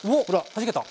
はじけた！